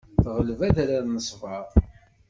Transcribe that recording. Teɣleb adrar n ṣṣber.